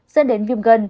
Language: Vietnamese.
dẫn đến viêm gân